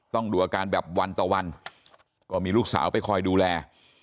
ดูอาการแบบวันต่อวันก็มีลูกสาวไปคอยดูแล